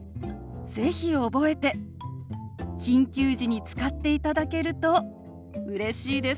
是非覚えて緊急時に使っていただけるとうれしいです。